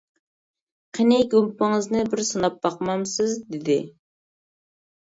قېنى گۇمپىڭىزنى بىر سىناپ باقمامسىز؟ -دېدى.